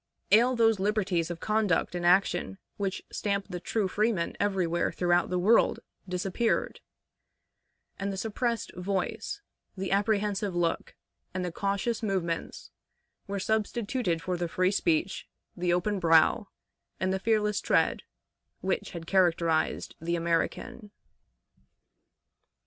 Ail those liberties of conduct and action which stamp the true freeman everywhere throughout the world disappeared; and the suppressed voice, the apprehensive look, and the cautious movements were substituted for the free speech, the open brow, and fearless tread which had characterized the American.